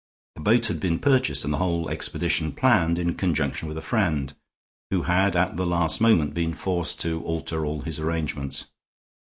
The boat had been purchased and the whole expedition planned in conjunction with a friend, who had at the last moment been forced to alter all his arrangements.